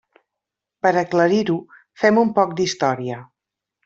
Per a aclarir-ho, fem un poc d'història.